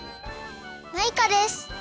マイカです！